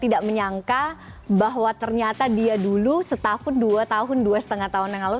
tidak menyangka bahwa ternyata dia dulu setahun dua tahun dua lima tahun yang lalu